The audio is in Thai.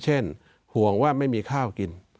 ห่วงว่าไม่มีข้าวกิน